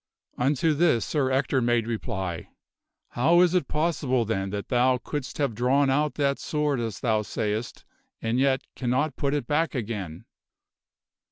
Unto this Sir Ector made reply, " How is it possible then that thou couldst have drawn out that sword as thou sayst and yet cannot put it back again